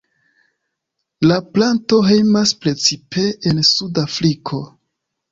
La planto hejmas precipe en suda Afriko.